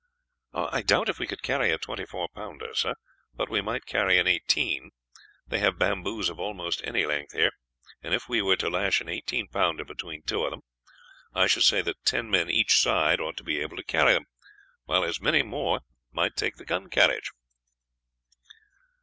"I doubt if we could carry a twenty four pounder, sir; but we might carry an eighteen. They have bamboos of almost any length here, and if we were to lash an eighteen pounder between two of them, I should say that ten men each side ought to able to carry them, while as many more might take the gun carriage."